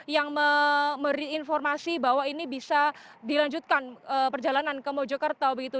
yang memberi informasi bahwa ini bisa dilanjutkan perjalanan ke mojokerto begitu